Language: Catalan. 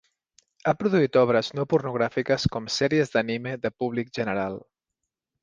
Ha produït obres no pornogràfiques com sèries d'anime de públic general.